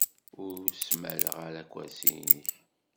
Ur smalay ara akersi-nnek.